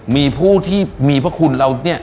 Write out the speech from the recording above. มีผู้ที่มีพระคุณเราเนี่ย